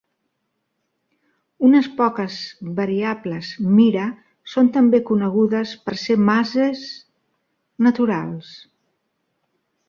Unes poques variables Mira són també conegudes per ser màsers naturals.